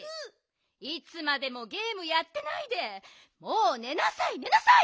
いつまでもゲームやってないでもうねなさいねなさい！